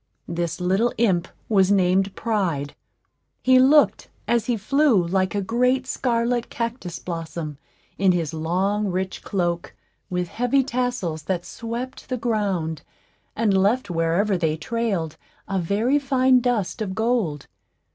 This little imp was named Pride. He looked, as he flew, like a great scarlet cactus blossom, in his long rich cloak, with heavy tassels, that swept the ground, and left wherever they trailed a very fine dust of gold.